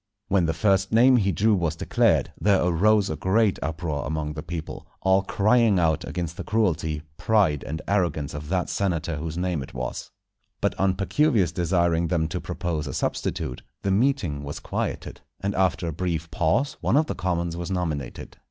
When the first name he drew was declared, there arose a great uproar among the people, all crying out against the cruelty, pride, and arrogance of that senator whose name it was. But on Pacuvius desiring them to propose a substitute, the meeting was quieted, and after a brief pause one of the commons was nominated.